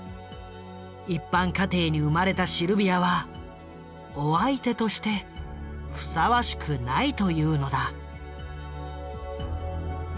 一般家庭に生まれたシルビアは「お相手」としてふさわしくないというのだ。